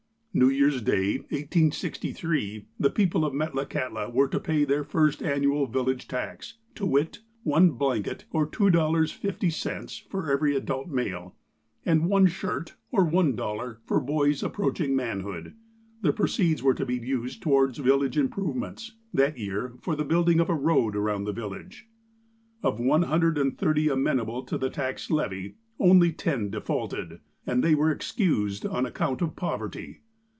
New Year's Day, 1863, the people of Metlakahtla were to pay their first annual village tax, to wit : one blanket, or $2.50, for every adult male, and one shirt, or fl.OO, for boys approaching manhood. The proceeds were to be used towards village improvements ; that year for the building of a road around the village. Of one hundred and thirty amenable to the tax levy, only ten defaulted, and they were excused on account of poverty.